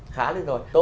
khá là tốt